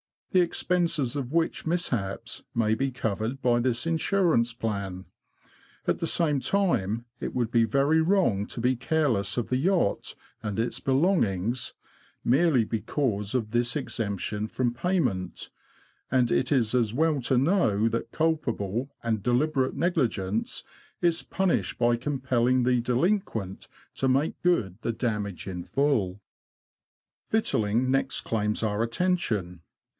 the expenses of which mishaps may be covered by this insurance plan. At the same time, it would be very wrong to be careless of the yacht and its belongings merely because of this exemption from C 18 THE LAND OF THE BROADS. payment; and it is as well to know that culpable and deliberate negligence is punished by compelling the delinquent to make good the damage in full. Victualling next claims our attention.